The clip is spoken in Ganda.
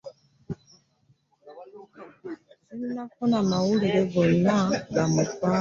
Ssinnafuna mawulire gonna gamufaako.